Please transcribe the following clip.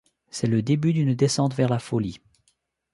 C'est le début d'une descente vers la folie.